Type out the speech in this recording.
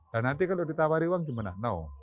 dan nanti kalau ditawari uang gimana no